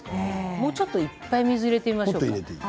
もうちょっといっぱい水を入れてみましょう。